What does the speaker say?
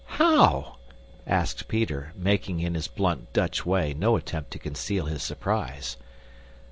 "How?" asked Peter, making, in his blunt Dutch way, no attempt to conceal his surprise.